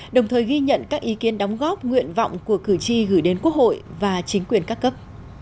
đồng thời ghi nhận các ý kiến đóng góp nguyện vọng của cử tri gửi đến quốc hội và chính quyền các cấp